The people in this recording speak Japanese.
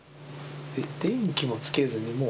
電気もつけずに、もう？